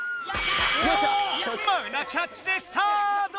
マウナキャッチでサードダウン！